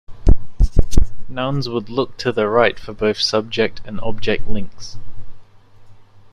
Nouns would look to the right for both subject and object links.